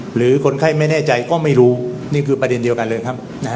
หรือคนไข้ไม่แน่ใจก็ไม่รู้นี่คือประเด็นเดียวกันเลยครับ